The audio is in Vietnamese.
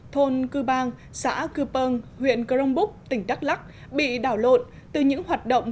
thôn cư bang xã cư pơng huyện crong búc tỉnh đắk lắc bị đảo lộn từ những hoạt động